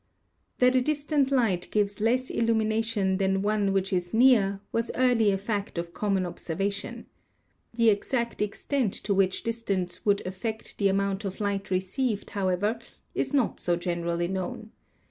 That a distant light gives less illumination than one which is near was early a fact of common observation. The exact extent to which distance would affect the amount of light received, however, is not so generally known.